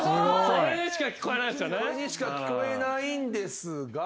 それにしか聞こえないんですが。